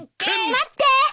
・待って！